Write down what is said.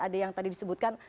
ada yang tadi disebutkan